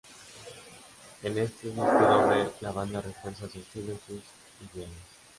En este disco doble, la banda refuerza su estilo y sus ideales.